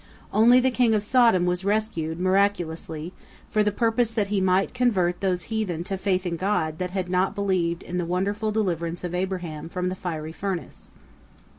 Only the king of Sodom was rescued, miraculously, for the purpose that he might convert those heathen to faith in God that had not believed in the wonderful deliverance of Abraham from the fiery furnace.